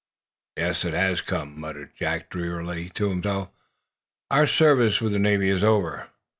"Yes; it has come," muttered Jack, drearily, to himself. "Our service with the Navy is over."